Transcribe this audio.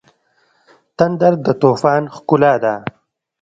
تندر د طوفان ښکلا ده.